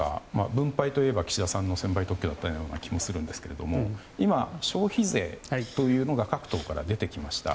分配といえば岸田さんの専売特許だったような気がするんですけれども今、消費税というのが各党から出てきました。